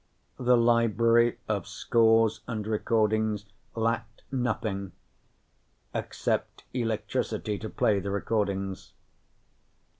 The library of scores and recordings lacked nothing except electricity to play the recordings.